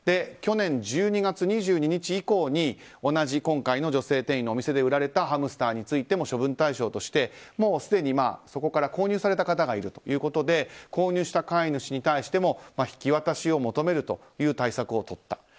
去年１２月２２日以降に今回の女性店員のお店で売られたハムスターについても処分対象としてすでに購入された方がいるということで購入した飼い主に対しても引き渡しを求めるという対策をとった。